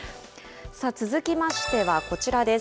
続きましてはこちらです。